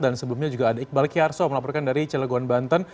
dan sebelumnya juga ada iqbal kiyarso melaporkan dari cilegon banten